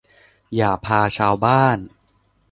อย่าพาชาวบ้าน